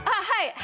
はい。